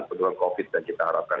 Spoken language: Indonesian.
penurunan covid dan kita harapkan